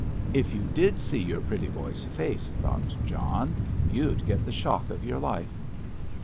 "If you did see your pretty boy's face," thought John, "you'd get the shock of your life!"